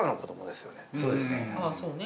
あそうね。